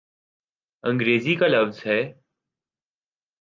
انگریزی کا لفظ ہے۔